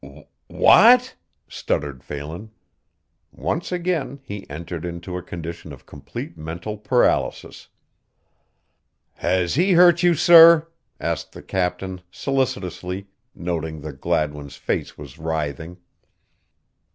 "W w w what?" stuttered Phelan. Once again he entered into a condition of complete mental paralysis. "Has he hurt you, sir?" asked the captain, solicitously, noticing that Gladwin's face was writhing.